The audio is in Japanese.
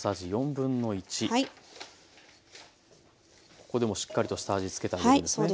ここでもしっかりと下味付けてあげるんですね。